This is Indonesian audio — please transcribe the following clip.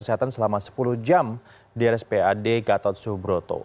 kesehatan selama sepuluh jam di rspad gatot subroto